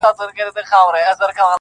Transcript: سل وعدې مو هسې د اوبو پر سر کرلې وې-